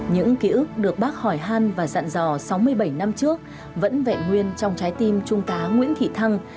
những ký ức được bác hỏi han và dặn dò sáu mươi bảy năm trước vẫn vẹn nguyên trong trái tim trung tá nguyễn thị thăng